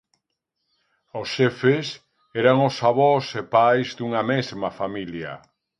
Os xefes eran os avós e pais dunha mesma familia.